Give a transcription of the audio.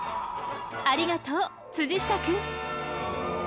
ありがとう！下くん！